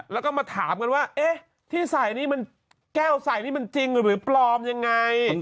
แล้วก็มาถามกันว่าเอ๊ะที่ใส่นี่มันแก้วใส่นี่มันจริงหรือปลอมยังไง